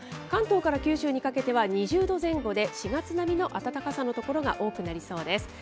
関東から九州にかけては２０度前後で、４月並みの暖かさの所が多くなりそうです。